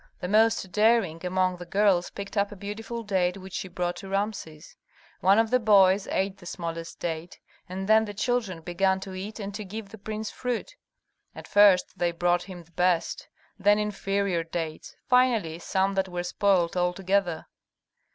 The most daring among the girls picked up a beautiful date which she brought to Rameses. One of the boys ate the smallest date, and then the children began to eat and to give the prince fruit. At first they brought him the best, then inferior dates, finally some that were spoilt altogether.